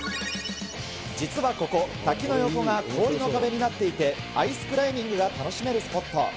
実はここ、滝の横が氷の壁になっていて、アイスクライミングが楽しめるスポット。